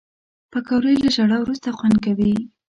پکورې له ژړا وروسته خوند کوي